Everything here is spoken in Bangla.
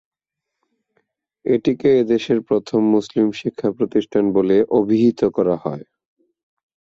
এটিকে এদেশের প্রথম মুসলিম শিক্ষা প্রতিষ্ঠান বলে অভিহিত করা হয়।